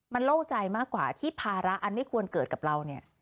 มันโล่งใจมากกว่าที่ภาระอันไม่ควรเกิดกับเราเนี่ย